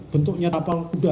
bentuknya kapal kuda